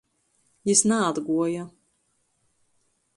Jis naatguoja.